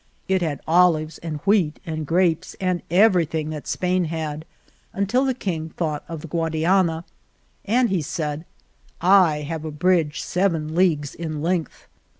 It had olives and wheat and grapes, and everything that Spain had, until the king thought of the Guadiana, and he said :* I have a bridge seven leagues in length.'